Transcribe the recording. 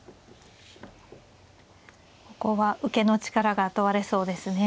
ここは受けの力が問われそうですね。